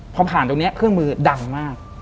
พอผ่านตรงนี้เครื่องมือดังมาก